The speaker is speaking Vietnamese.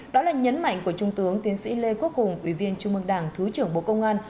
đó là nhấn mạnh của trung tướng tiến sĩ lê quốc hùng ủy viên trung mương đảng thứ trưởng bộ công an